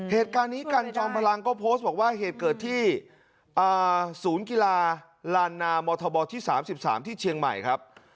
เหตุการณ์นี้กันจอมพลังก็โพสต์บอกว่าเหตุเกิดที่ศูนย์กีฬาลานนามธบที่๓๓ที่เชียงใหม่ครับ